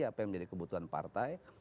apa yang menjadi kebutuhan partai